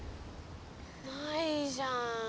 ないじゃん！